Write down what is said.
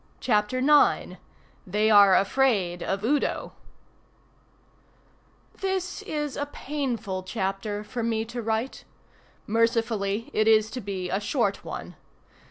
CHAPTER IX THEY ARE AFRAID OF UDO This is a painful chapter for me to write. Mercifully it is to be a short one.